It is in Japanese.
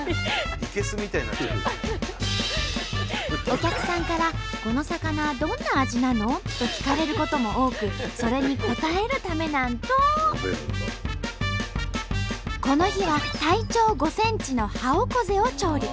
お客さんから「この魚どんな味なの？」と聞かれることも多くそれに応えるためなんと！この日は体長５ｃｍのハオコゼを調理。